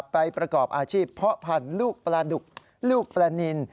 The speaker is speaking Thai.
ประกอบอาชีพเพาะพันธุ์ลูกปลาดุกลูกปลานิน